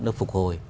nước phục hồi